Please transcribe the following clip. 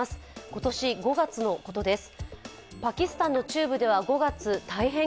今年５月のことです。